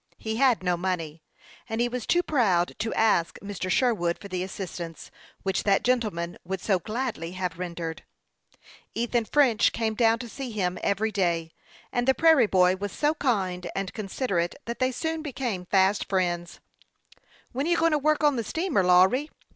He had no money, and he was too proud to ask Mr. Sherwood for the assistance which that gentleman would so gladly have rendered. Ethan French came down to see him every day, and the prairie boy was so kind and considerate that they soon became fa "t friends. 9* 102 HASTE AND WASTE, OK " When are you going to work on the steamer, Lawry ?